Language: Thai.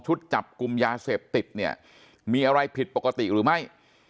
ชุดจับกุมยาเสพติดมีอะไรผิดปกติหรือไม่